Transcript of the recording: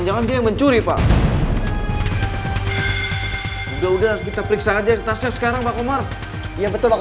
yang bisa menyelamatkan nyawanya bening